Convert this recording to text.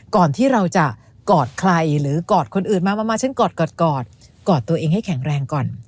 ก่อนที่เราจะกอดใครหรือกอดคนอื่นมามาฉันกอดกอดตัวเองให้แข็งแรงก่อน